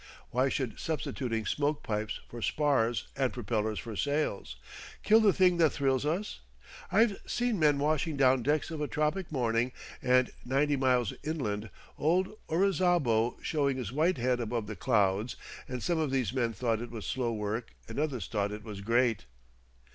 Why should substituting smoke pipes for spars, and propellers for sails, kill the thing that thrills us? I've seen men washing down decks of a tropic morning, and, ninety miles inland, old Orizaba showing his white head above the clouds; and some of those men thought it was slow work and others thought it was great.